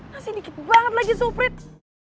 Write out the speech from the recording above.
nasi dikit banget lagi suprit